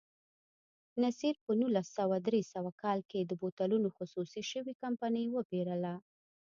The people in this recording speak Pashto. نصیر په نولس سوه درې نوي کال کې د بوتلونو خصوصي شوې کمپنۍ وپېرله.